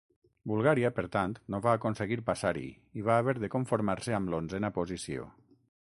Bulgària, per tant, no va aconseguir passar-hi i va haver de conformar-se amb l'onzena posició.